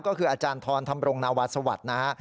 ก็คืออทอนธำรงนาวาสวรรษณ์